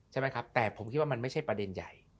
ใช่ไหมครับแต่ผมคิดว่ามันไม่ใช่ประเด็นใหญ่